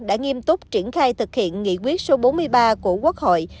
đã nghiêm túc triển khai thực hiện nghị quyết số bốn mươi ba của quốc hội